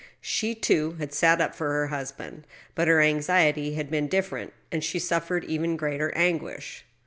She, too, had sat up for her husband, but her anxiety had been different and she suffered even greater anguish.